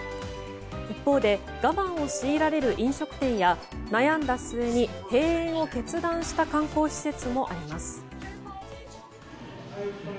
一方で我慢を強いられる飲食店や悩んだ末に閉園を決断した観光施設もあります。